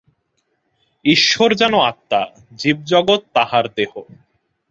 ঈশ্বর যেন আত্মা, জীব-জগৎ তাঁহার দেহ।